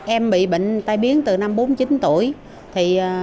em bị bệnh tai biến từ năm bốn mươi chín tuổi